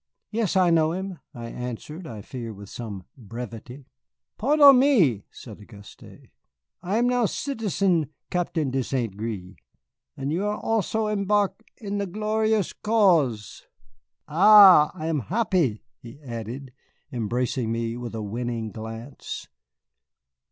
"Yes, I know him," I answered, I fear with some brevity. "Podden me," said Auguste, "I am now Citizen Captain de St. Gré. And you are also embark in the glorious cause Ah, I am happy," he added, embracing me with a winning glance.